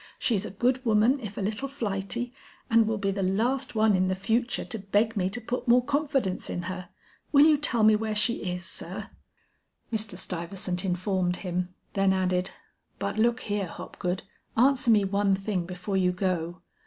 She's a good woman, if a little flighty, and will be the last one in the future to beg me to put more confidence in her. Will you tell me where she is, sir?" Mr. Sylvester informed him; then added, "But look here, Hopgood, answer me one thing before you go.